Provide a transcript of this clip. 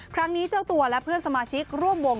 เจ้าตัวและเพื่อนสมาชิกร่วมวง